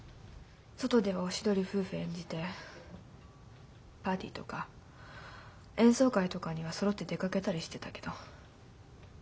外ではおしどり夫婦演じてパーティーとか演奏会とかにはそろって出かけたりしてたけど。